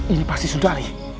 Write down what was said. ini pasti sundari